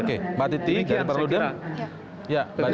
oke mbak titi dan pak rudel